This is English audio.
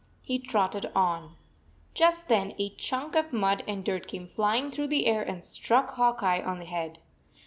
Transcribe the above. He trotted on. Just then a chunk of mud and dirt came flying through the air and struck Hawk Eye on the head.